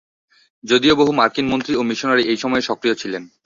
যদিও বহু মার্কিন মন্ত্রী ও মিশনারি এই সময়ে সক্রিয় ছিলেন।